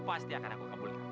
pasti akan aku kabul